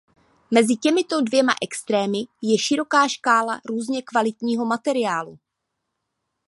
Mezi těmito dvěma extrémy je široká škála různě kvalitního materiálu.